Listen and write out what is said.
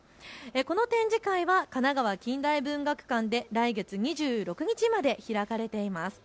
この展示会は神奈川近代文学館で来月２６日まで開かれています。